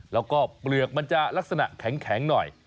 แล้วก็เปลือกมันจะลักษณะแข็งหน่อย